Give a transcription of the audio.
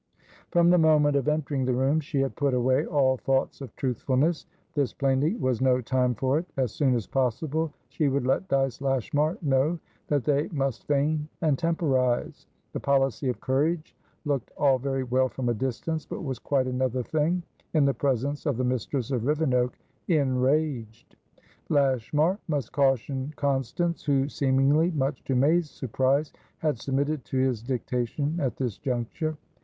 From the moment of entering the room, she had put away all thought of truthfulness. This, plainly, was no time for it. As soon as possible, she would let Dyce Lashmar know that they must feign and temporise: the policy of courage looked all very well from a distance, but was quite another thing in the presence of the mistress of Rivenoak enraged. Lashmar must caution Constance, who seemingly (much to May's surprise) had submitted to his dictation at this juncture.